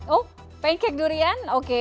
oh pancake durian oke